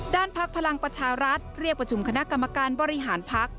พักพลังประชารัฐเรียกประชุมคณะกรรมการบริหารพัก